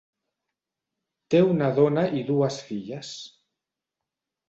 Té una dona i dues filles.